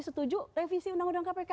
setuju revisi undang undang kpk